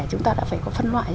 chúng ta đã phải có phân loại